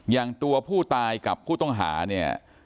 อย่างตัวผู้ตายกับผู้ต้องหาเนี่ย